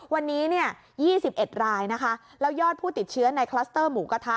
วันนี้๒๑รายนะคะแล้วยอดผู้ติดเชื้อในคลัสเตอร์หมูกระทะ